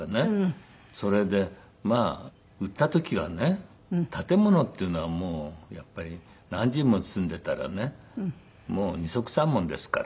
それでまあ売った時はね建物っていうのはやっぱり何十年も住んでいたらねもう二束三文ですから。